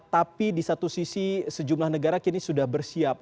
tapi di satu sisi sejumlah negara kini sudah bersiap